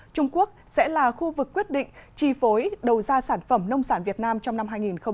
trung quốc sẽ là khu vực quyết định chi phối đầu ra sản phẩm nông sản việt nam trong năm hai nghìn hai mươi